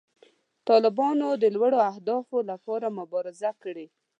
طالبانو د لوړو اهدافو لپاره مبارزه کړې.